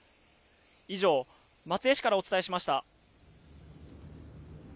以上、松江市からお伝えしました。